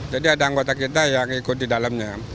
jadi ada anggota kita yang ikut di dalamnya